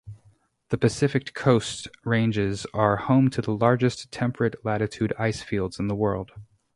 The Pacific Coast Ranges are home to the largest temperate-latitude icefields in the world.